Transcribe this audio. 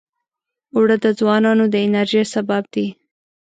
اوړه د ځوانانو د انرژۍ سبب دي